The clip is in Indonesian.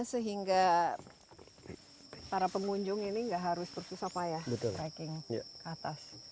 sehingga para pengunjung ini nggak harus bersusah payah trekking ke atas